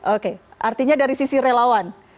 oke artinya dari sisi relawan